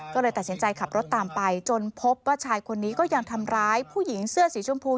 ก็เลยตัดสินใจขับรถตามไปจนพบว่าชายคนนี้ก็ยังทำร้ายผู้หญิงเสื้อสีชมพู